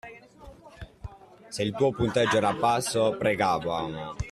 Se il tuo punteggio era basso, pregavamo.